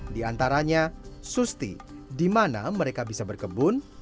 di antaranya susti di mana mereka bisa berkebun